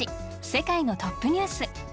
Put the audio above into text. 世界のトップニュース」。